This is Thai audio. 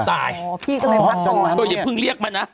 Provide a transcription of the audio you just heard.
ตายพี่กำลังให้พักตัวโอ้ยอย่าเพิ่งเรียกมันนะ